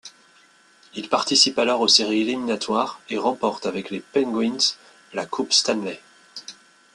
Il participe alors aux séries éliminatoires et remporte avec les Penguins la Coupe Stanley.